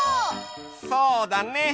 そうだね。